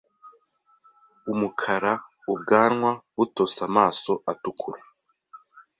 Umukara ubwanwa butose amaso atukura